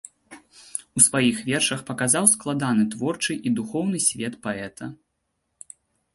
У сваіх вершах паказаў складаны творчы і духоўны свет паэта.